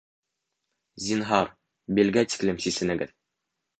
Зинһар, билгә тиклем сисенегеҙ